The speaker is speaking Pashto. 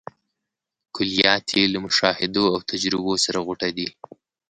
کلیات یې له مشاهدو او تجربو سره غوټه دي.